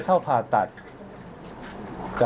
พร้อมแล้วเลยค่ะ